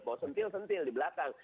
bawa sentil sentil di belakang